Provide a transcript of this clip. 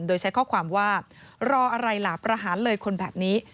โดยใช้ข้อความว่ารออะไรล่ะประหารเลยคนแบบนี้